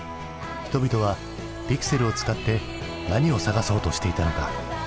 人々はピクセルを使って何を探そうとしていたのか？